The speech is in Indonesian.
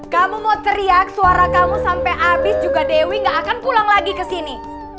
kamu mau teriak suara kamu sampai habis juga dewi gak akan pulang lagi ke sini